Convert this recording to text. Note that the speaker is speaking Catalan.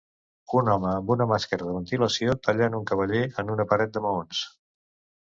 un home amb una màscara de ventilació tallant un cavaller en una paret de maons